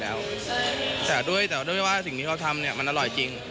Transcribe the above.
แต่ด้วยแต่ด้วยว่าสิ่งที่เขาทำเนี่ยมันอร่อยจริง